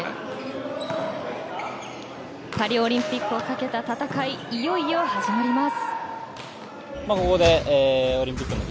パリオリンピックをかけた戦いいよいよ始まります。